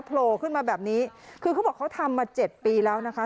โผล่ขึ้นมาแบบนี้คือเขาบอกเขาทำมาเจ็ดปีแล้วนะคะ